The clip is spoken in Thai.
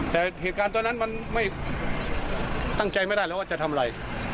แต่เหตุการณ์ตอนนั้นมันไม่ตั้งใจไม่ได้แล้วว่าจะทำอะไร